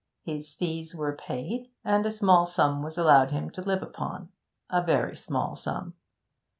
His fees were paid and a small sum was allowed him to live upon a very small sum.